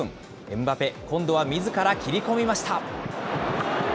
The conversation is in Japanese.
エムバペ、今度はみずから切り込みました。